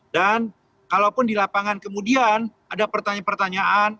dan kalaupun di lapangan kemudian ada pertanyaan pertanyaan